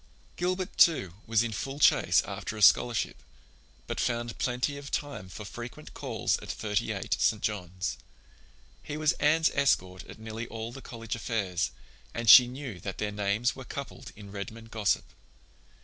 Gilbert, too, was in full chase after a scholarship, but found plenty of time for frequent calls at Thirty eight, St. John's. He was Anne's escort at nearly all the college affairs, and she knew that their names were coupled in Redmond gossip.